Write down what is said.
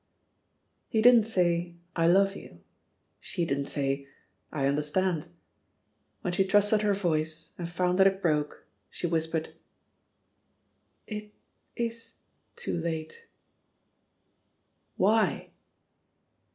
'' He didn't say, "I love you," she didn't say, "I understand." When she trusted her voice and found that it broke, she whispered : "It 18 too late." "Why?"